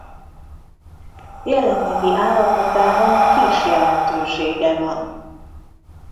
Jelenlegi állapotában kis jelentősége van.